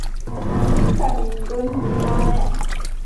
Ndikka min ɗon mi maaya.